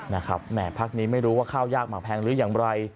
แหม่พักนี้ไม่รู้ว่าข้าวยากมากแพงหรืออย่างไร